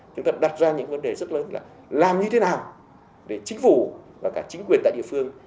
chúng ta đặt ra những vấn đề rất lớn là làm như thế nào để chính phủ và cả chính quyền tại địa phương